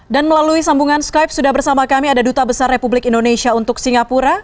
dan melalui sambungan skype sudah bersama kami ada duta besar republik indonesia untuk singapura